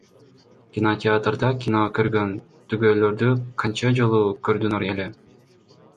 Кинотеатрда кино көргөн түгөйлөрдү канча жолу көрдүңөр эле?